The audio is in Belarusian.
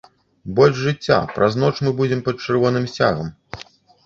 Больш жыцця, праз ноч мы будзем пад чырвоным сцягам!